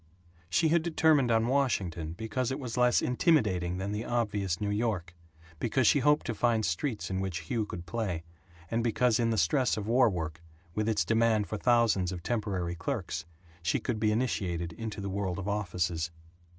She had determined on Washington because it was less intimidating than the obvious New York, because she hoped to find streets in which Hugh could play, and because in the stress of war work, with its demand for thousands of temporary clerks, she could be initiated into the world of offices.